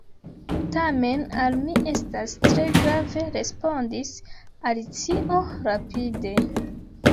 "Tamen al mi estas tre grave," respondis Alicio rapide.